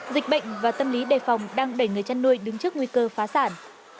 dịch bệnh và tâm lý đề phòng đang đẩy người chăn nuôi đứng trước nguy cơ phá sản